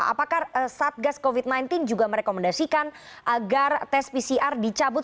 apakah satgas covid sembilan belas juga merekomendasikan agar tes pcr dicabut